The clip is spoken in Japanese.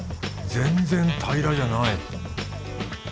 全然平らじゃない。